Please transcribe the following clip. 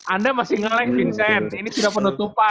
anda masih ngeleng vincent ini tidak penutupan